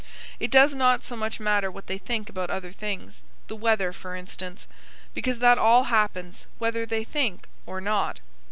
It does not so much matter what they think about other things the weather, for instance; because that all happens, whether they think or not.